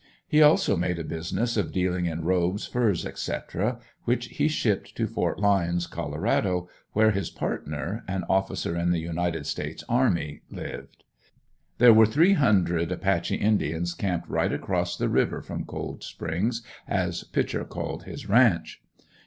He also made a business of dealing in robes, furs, etc., which he shipped to Fort Lyons, Colorado, where his partner, an officer in the United States Army lived. There were three hundred Apache indians camped right across the river from "Cold Springs," as Pitcher called his ranch.